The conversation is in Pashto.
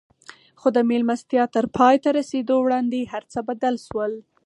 خو د مېلمستيا تر پای ته رسېدو وړاندې هر څه بدل شول.